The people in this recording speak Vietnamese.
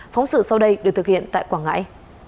phóng sự sau đây được thực hiện tại quảng ngãi